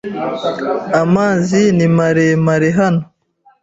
Amazi ni maremare hano.